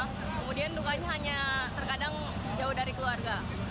kemudian dukanya hanya terkadang jauh dari keluarga